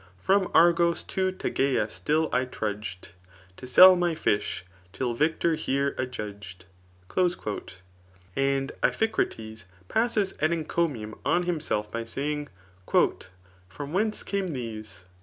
From Argos to Tegea still I trudgM, To sell my fish, till victor here adjudged. And Ipfaiczates passes an encoouum on himself by si^ing^ From whence came these